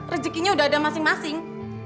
rezekinya udah ada masing masing